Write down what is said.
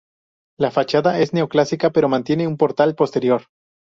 La fachada es neoclásica pero mantiene un portal posterior.